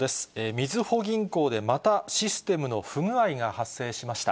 みずほ銀行でまた、システムの不具合が発生しました。